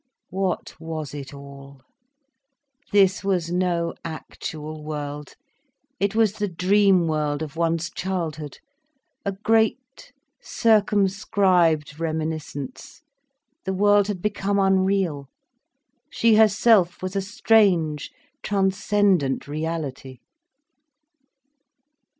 What was it all? This was no actual world, it was the dream world of one's childhood—a great circumscribed reminiscence. The world had become unreal. She herself was a strange, transcendent reality.